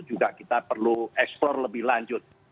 juga kita perlu eksplore lebih lanjut